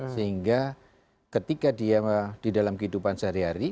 sehingga ketika dia di dalam kehidupan sehari hari